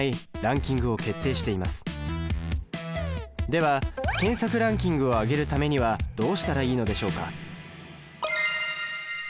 では検索ランキングを上げるためにはどうしたらいいのでしょうか？